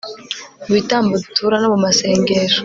mu bitambo dutura no mu masengesho